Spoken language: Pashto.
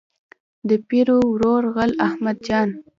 د پیرو ورور غل احمد جان.